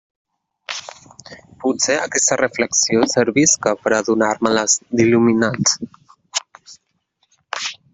Potser aquesta reflexió servisca per a donar-me-les d'il·luminat.